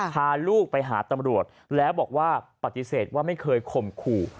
พาลูกไปหาตำรวจแล้วบอกว่าปฏิเสธว่าไม่เคยข่มขู่